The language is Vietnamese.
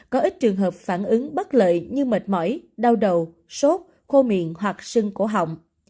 có ít trường hợp phản ứng bất lợi như mệt mỏi đau đầu sốt khô miệng hoặc sưng cổ họng